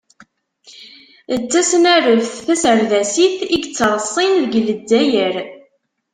D tasnareft taserdasit i yettreṣṣin deg Lezzayer.